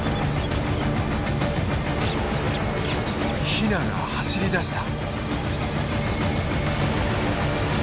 ヒナが走りだした。